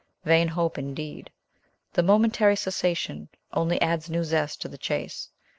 Vain hope, indeed! The momentary cessation only adds new zest to the chase.